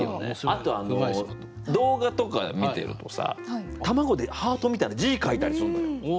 あと動画とか見てるとさ卵でハートみたいな字書いたりするのよ。